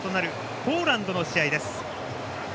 ポーランドの試合です。